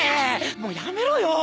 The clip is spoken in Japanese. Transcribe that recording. もうやめろよ